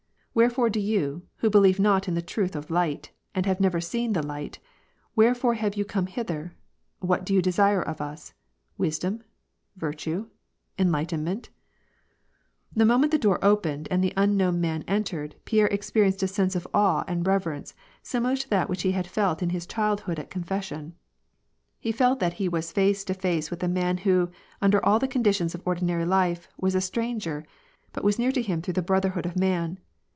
" Wherefore do you, who believe not in the truth of light, and have never seen the light, wherefore have you come hither ? What do you desire of us ? Wisdom ? virtue ? en lightenment ?" The moment the door opened and the unknown man entered, Pierre experienced a sense of awe and reverence similar to that which he had felt in his childhood at confession: he felt that he was face to face with a man who, under all the conditions of ordinary life, was a stranger, but was near to him through the brotherhood of man.